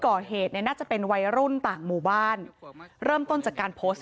ก่อเหตุเนี่ยน่าจะเป็นวัยรุ่นต่างหมู่บ้านเริ่มต้นจากการโพสต์